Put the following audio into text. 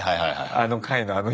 あの回のあの人。